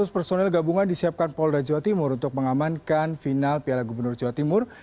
lima ratus personel gabungan disiapkan polda jawa timur untuk mengamankan final piala gubernur jawa timur